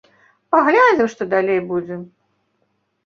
Паглядзім, што далей будзе.